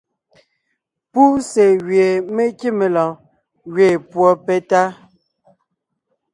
Púse gwie me kíme lɔɔn gẅeen púɔ petá.